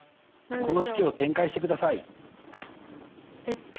この式を展開してください。